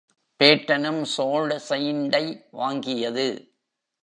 பேட்டனும் ஸோல்ட் செயின்ட்டை வாங்கியது.